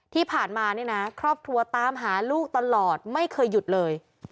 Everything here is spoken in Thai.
ที่ผ่านมาเนี่ยนะครอบครัวตามหาลูกตลอดไม่เคยหยุดเลย